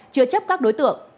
chưa chấp các đối tượng